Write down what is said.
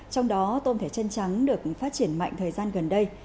trong đó tôm thẻ chân trắng được phát triển mạnh thời gian gần đây